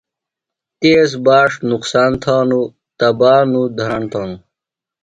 تیز باݜ نُقصان تھانوۡ، تباہ نوۡ دھراݨ تھانوۡ